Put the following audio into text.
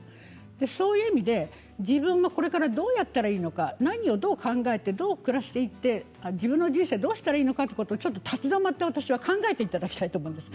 そういう意味で自分もこれからどうやったらいいのか何をどう考えてどう暮らしていって自分の人生をどうしたらいいのかということを、ちょっと立ち止まって考えていただきたいと私は思うんです。